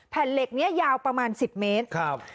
เหล็กนี้ยาวประมาณ๑๐เมตรครับ